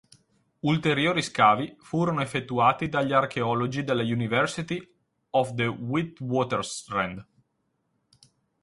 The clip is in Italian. Ulteriori scavi furono effettuati dagli archeologi della University of the Witwatersrand.